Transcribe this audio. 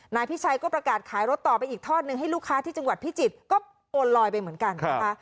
นายพิชัยก็ประกาศขายรถต่อไปอีกทอดนึงให้ลูกค้าที่จังหวัดพิจิตรก็โอนลอยไปเหมือนกันนะคะ